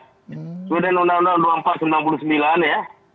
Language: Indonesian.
kemudian undang undang dua puluh empat sembilan puluh sembilan ya